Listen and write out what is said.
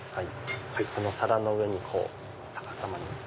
皿の上に逆さまに。